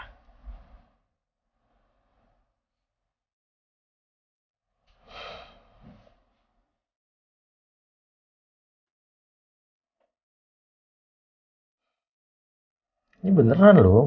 ini beneran loh